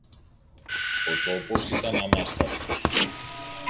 Ο τόπος ήταν ανάστατος.